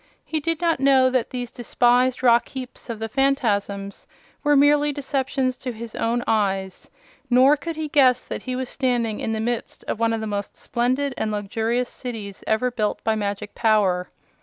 He did not know that these despised rock heaps of the Phanfasms were merely deceptions to his own eyes, nor could he guess that he was standing in the midst of one of the most splendid and luxurious cities ever built by magic power.